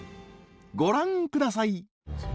ご覧ください！